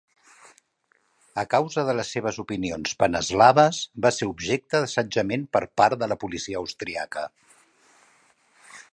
A causa de les seves opinions pan-eslaves, va ser objecte d'assetjament per part de la policia austríaca.